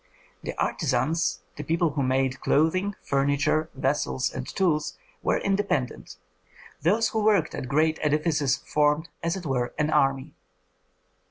The artisans, the people who made clothing, furniture, vessels, and tools, were independent; those who worked at great edifices formed, as it were, an army.